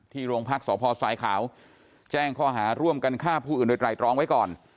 ที่โรงพักษณ์สศข่าวแจ้งข้อหาร่วมกันฆ่าผู้อื่นด้วยไตล้ตร้องไว้ก่อน